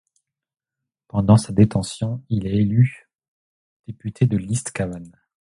Pendant sa détention, il est élu député de l’East Cavan.